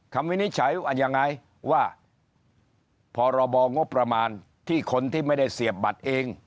วินิจฉัยว่ายังไงว่าพรบงบประมาณที่คนที่ไม่ได้เสียบบัตรเอง